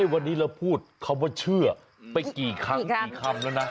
วันนี้เราพูดคำว่าเชื่อไปกี่ครั้งกี่คำแล้วนะ